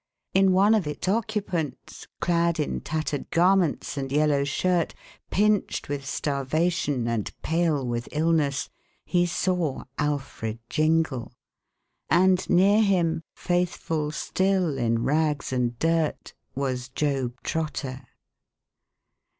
In one of its occupants, clad in tattered garments and yellow shirt, pinched with starvation and pale with illness, he saw Alfred Jingle; and near him, faithful still in rags and dirt, was Job Trotter.